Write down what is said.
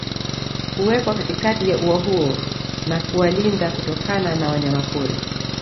Huwekwa katikati ya ua huo na kuwalinda kutokana na wanyamapori